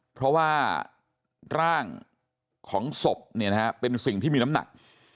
เพราะว่าร่างของศพเป็นสิ่งที่มีน้ำหนัก